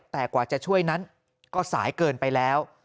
แต่กว่าจะช่วยนั้นก็สายเกินไปแล้ว